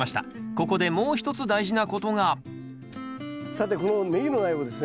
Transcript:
ここでもう一つ大事なことがさてこのネギの苗をですね